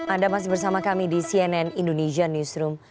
anda masih bersama kami di cnn indonesia newsroom